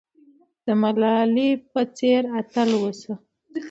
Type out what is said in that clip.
د ملالۍ په څېر اتل اوسه.